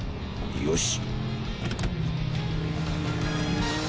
よし！